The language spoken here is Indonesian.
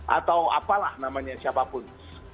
atau apalah namanya siapapun